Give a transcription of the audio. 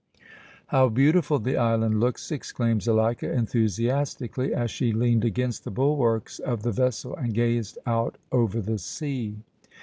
"How beautiful the island looks!" exclaimed Zuleika, enthusiastically, as she leaned against the bulwarks of the vessel and gazed out over the sea.